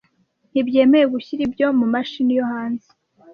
ntibyemewe gushyira ibyo mumashini yo hanze